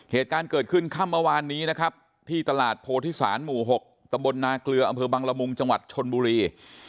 เหตุการณ์เกิดขึ้นข้ามมาวานนี้นะครับที่ตลาดโพธิสานหมู่๖ตนเกลืออบังลมุงจชนบุรี